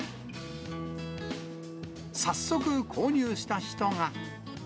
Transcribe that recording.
早速、購入した人が。